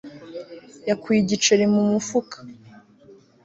yakuye igiceri mu mufuka